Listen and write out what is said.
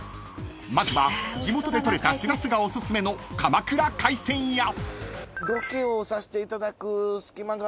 ［まずは地元で取れたしらすがおすすめの鎌倉海鮮や］